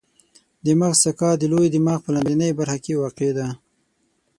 د مغز ساقه د لوی دماغ په لاندنۍ برخه کې واقع ده.